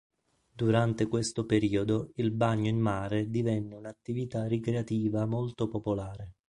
Durante questo periodo il bagno in mare divenne un'attività ricreativa molto popolare.